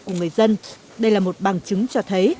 của người dân đây là một bằng chứng cho thấy